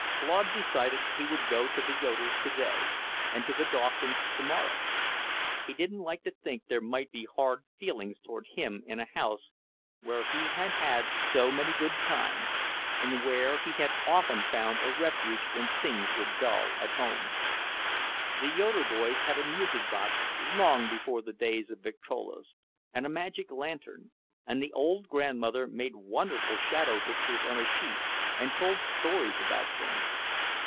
Claude decided he would go to the Yoeders' today, and to the Dawsons' tomorrow. He didn't like to think there might be hard feeling toward him in a house where he had had so many good times, and where he had often found a refuge when things were dull at home. The Yoeder boys had a music box long before the days of Victrolas, and a magic lantern, and the old grandmother made wonderful shadow pictures on a sheet, and told stories about them.